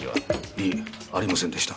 いえありませんでした。